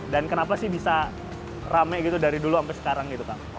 dan kenapa sih bisa ramai dari dulu sampai sekarang